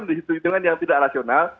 menurut hitung hitungan yang tidak rasional